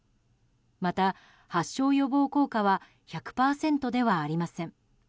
また発症予防効果は１００％ではありません。